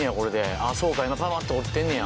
ああそうか今パパッと折ってんねや。